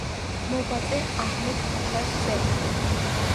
მოღვაწე, აჰმედ-ფაშას ძე.